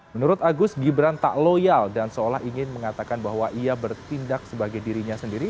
menurut agus gibran tak loyal dan seolah ingin mengatakan bahwa ia bertindak sebagai dirinya sendiri